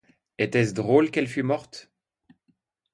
Était-ce drôle qu'elle fût morte!